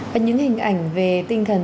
và những hình ảnh về tinh thần